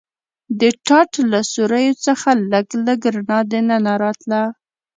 د ټاټ له سوریو څخه لږ لږ رڼا دننه راتله.